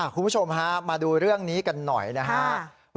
คุณผู้ชมฮะมาดูเรื่องนี้กันหน่อยนะครับ